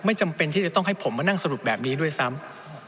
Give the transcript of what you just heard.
จำเป็นที่จะต้องให้ผมมานั่งสรุปแบบนี้ด้วยซ้ำ